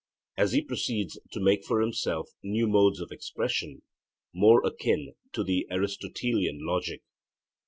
As he proceeds he makes for himself new modes of expression more akin to the Aristotelian logic.